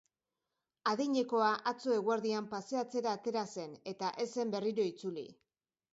Adinekoa atzo eguerdian paseatzera atera zen eta ez zen berriro itzuli.